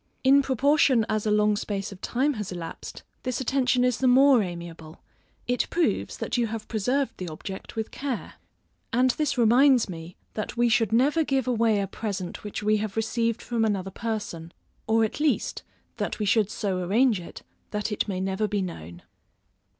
In proportion as a long space of time has elapsed, this attention is the more amiable; it proves that you have preserved the object with care. And this reminds me, that we should never give away a present which we have received from another person, or at least that we should so arrange it, that it may never be known.